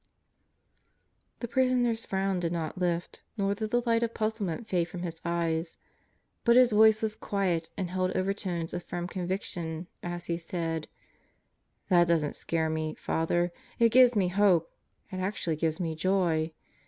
The prisoner's frown did not lift, nor did the light of puzzle ment fade from his eyes, but his voice was quiet and held over tones of firm conviction as he said: "That doesn't scare me, Father. It gives me hope. It actually gives me joy.